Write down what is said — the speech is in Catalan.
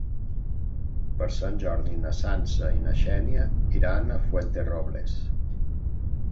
Per Sant Jordi na Sança i na Xènia iran a Fuenterrobles.